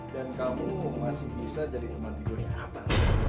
dan kamu masih bisa jadi teman tidurnya apa